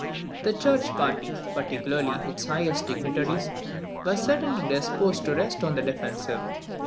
The church party, particularly its highest dignitaries, were certainly disposed to rest on the defensive.